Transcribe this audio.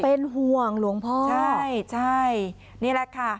เป็นห่วงหลวงพ่อใช่ใช่นี่แหละค่ะ